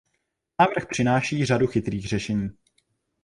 Návrh přináší řadu chytrých řešení.